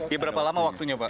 ya berapa lama waktunya pak